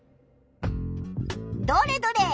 どれどれ？